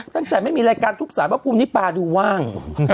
ตั้งแต่ไม่มีรายการทุบสายว่ากรุมนี้ปราดูว่าง